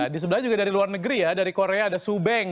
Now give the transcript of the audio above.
di sebelah juga dari luar negeri ya dari korea ada subeng